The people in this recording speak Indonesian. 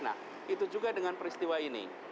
nah itu juga dengan peristiwa ini